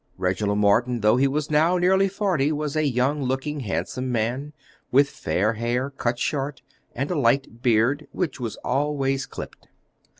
Reginald Morton, though he was now nearly forty, was a young looking, handsome man, with fair hair, cut short, and a light beard, which was always clipped.